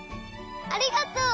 ありがとう！